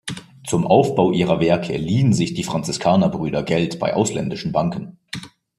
Zum Aufbau ihrer Werke liehen sich die Franziskanerbrüder Geld bei ausländischen Banken.